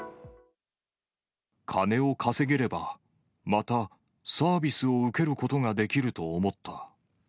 金を稼げれば、またサービスを受けることができると思った。